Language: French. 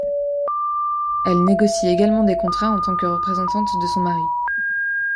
Elle négocie également des contrats en tant que représentante de son mari.